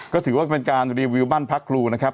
ก็ถือว่าเป็นการรีวิวบ้านพักครูนะครับ